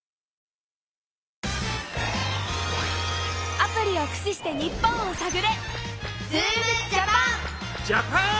アプリをくしして日本をさぐれ！